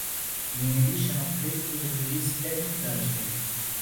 A new edition of the paper is released every Thursday.